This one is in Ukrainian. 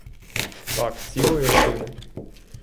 Так — цілої родини.